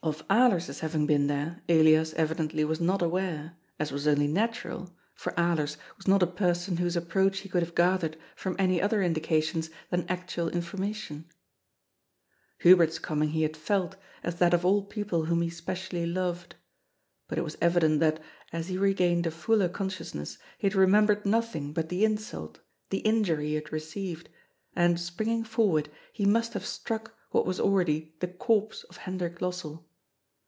Of Alers's having been there, Elias evidently was not aware, us was only natural, for Alers was not a person whose approach he could have gathered from any other indications than actual information. 442 QOJy'S FOOL. Hubert's coining he had felt, as that of all people whom he especially lored. But it was evident that, as he regained a fuller consciousness, he had remembered nothing but the insult, the injury he had receiyed, and springing forward he must have struck what was already the corpse of Hendrik Lossell.